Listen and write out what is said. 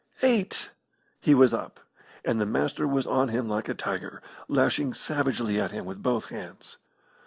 Eight he was up, and the Master was on him like a tiger, lashing savagely at him with both hands.